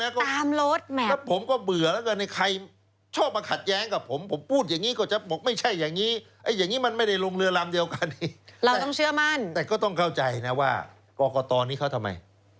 เออเขาพูดไปทั่วโลกนะก็ตามลดแม่